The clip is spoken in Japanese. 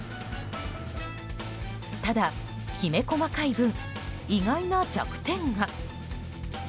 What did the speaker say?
ただ、きめ細かい分意外な弱点が。